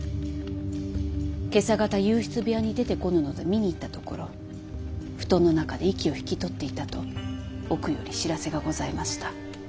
今朝方右筆部屋に出てこぬので見に行ったところ布団の中で息を引き取っていたと奥より知らせがございました。